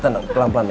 tenang pelan pelan ya